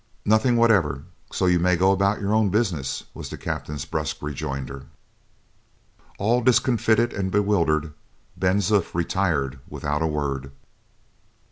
"Nothing whatever; so you may go about your own business," was the captain's brusque rejoinder. All discomfited and bewildered, Ben Zoof retired without a word.